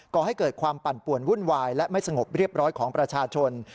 ก่อให้เกิดความปั่นป่วนวุ่นวายและไม่สงบเรียบร้อยของประชาชน